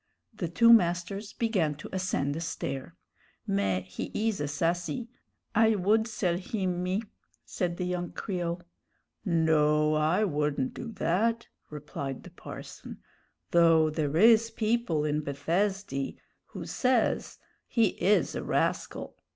The two masters began to ascend a stair. "Mais, he is a sassy; I would sell him, me," said the young Creole. "No, I wouldn't do that," replied the parson; "though there is people in Bethesdy who says he is a rascal.